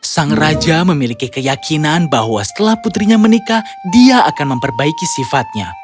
sang raja memiliki keyakinan bahwa setelah putrinya menikah dia akan memperbaiki sifatnya